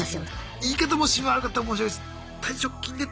言い方もし悪かったら申し訳ないです。